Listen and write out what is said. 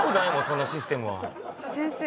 そんなシステムは先生